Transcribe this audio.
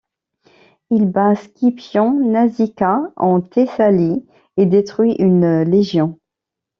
Il bat Scipion Nasica en Thessalie et détruit une légion.